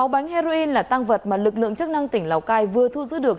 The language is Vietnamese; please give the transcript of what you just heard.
sáu bánh heroin là tăng vật mà lực lượng chức năng tỉnh lào cai vừa thu giữ được